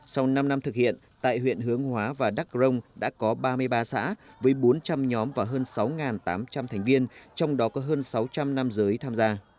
sau năm năm thực hiện tại huyện hướng hóa và đắk rông đã có ba mươi ba xã với bốn trăm linh nhóm và hơn sáu tám trăm linh thành viên trong đó có hơn sáu trăm linh nam giới tham gia